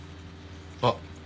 あっ。